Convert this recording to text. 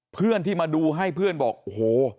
เพื่อนที่มาดูให้เพื่อนบอกโอ้โห